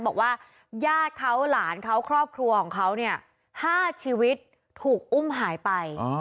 บอกว่าญาติเขาหลานเขาครอบครัวของเขาเนี่ย๕ชีวิตถูกอุ้มหายไป